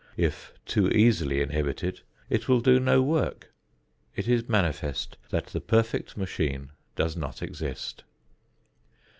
If too easily inhibited, it will do no work. It is manifest that the perfect machine does not exist.